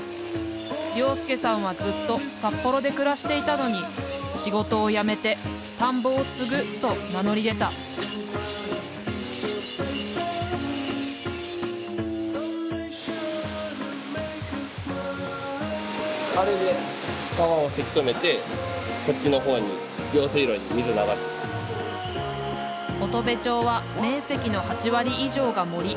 良介さんはずっと札幌で暮らしていたのに仕事を辞めて田んぼを継ぐと名乗り出たあれで乙部町は面積の８割以上が森。